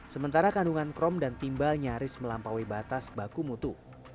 sementara kandungan krom dan timbal nyaris melampaui batas baku mutu